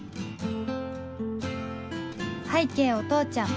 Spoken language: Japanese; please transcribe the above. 拝啓お父ちゃん